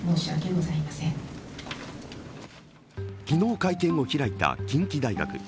昨日、会見を開いた近畿大学。